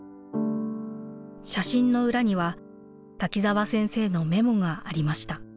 写真の裏には滝沢先生のメモがありました。